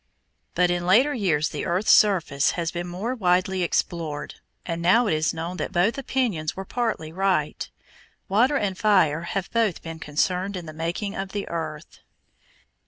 But in later years the earth's surface has been more widely explored, and now it is known that both opinions were partly right. Water and fire have both been concerned in the making of the earth.